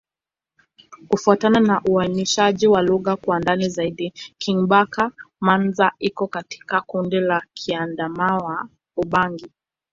Kufuatana na uainishaji wa lugha kwa ndani zaidi, Kingbaka-Manza iko katika kundi la Kiadamawa-Ubangi.